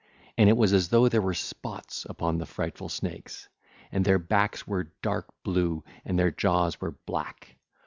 And it was as though there were spots upon the frightful snakes: and their backs were dark blue and their jaws were black.